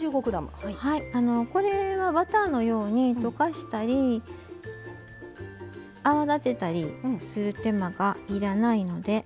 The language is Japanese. これはバターのように溶かしたり泡立てたりする手間がいらないので。